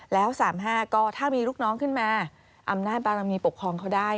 แล้ว๓๕ก็ถ้ามีลูกน้องขึ้นมาอำนาจบารมีปกครองเขาได้